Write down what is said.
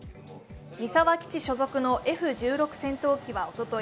三沢基地所属のＦ−１６戦闘機はおととい